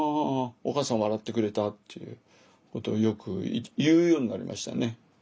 お母さん笑ってくれたっていうことをよく言うようになりましたね。